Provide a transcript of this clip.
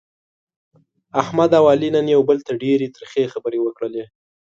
احمد او علي نن یو بل ته ډېرې ترخې خبرې وکړلې.